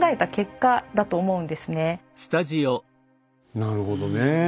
なるほどね。